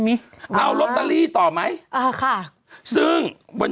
เป็นการกระตุ้นการไหลเวียนของเลือด